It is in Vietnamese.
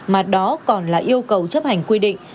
mà đó còn là yêu cầu chấp hành quy định